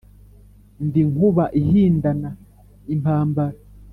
Ndi Nkuba ihindana impambara